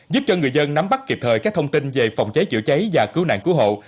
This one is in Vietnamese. giúp cho người dân nắm bắt kịp thời các thông tin về phòng cháy chữa cháy và cứu nạn cứu hộ